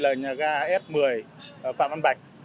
là nhà gà f một mươi phạm văn bạch